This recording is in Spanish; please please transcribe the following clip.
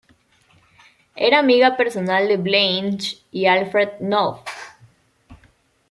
Era amiga personal de Blanche y Alfred Knopf.